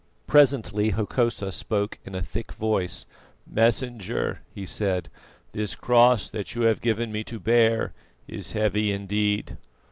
Presently Hokosa spoke in a thick voice: "Messenger," he said, "this cross that you have given me to bear is heavy indeed."